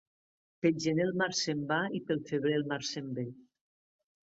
Pel gener el mar se'n va i pel febrer el mar se'n ve.